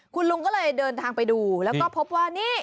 คุณลุงก็เลยเดินทางไปดูแล้วก็พบว่านี่